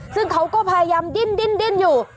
ซึ่งเขาก็พยายามดิ้นอยู่